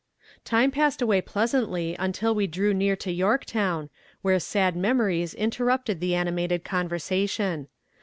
Time passed away pleasantly until we drew near to Yorktown, where sad memories interrupted the animated conversation.